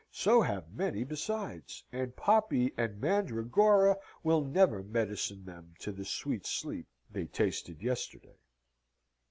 So have many besides: and poppy and mandragora will never medicine them to the sweet sleep they tasted yesterday.